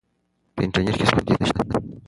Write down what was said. په انټرنیټ کې هیڅ محدودیت نشته.